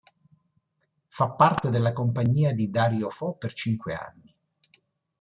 Fa parte della compagnia di Dario Fo per cinque anni.